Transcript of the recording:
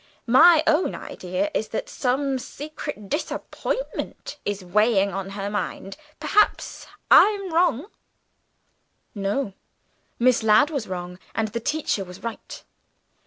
My own idea is, that some secret disappointment is weighing on her mind. Perhaps I am wrong." No. Miss Ladd was wrong; and the teacher was right.